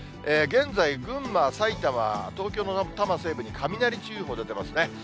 現在、群馬、さいたま、東京の多摩西部に雷注意報出てますね。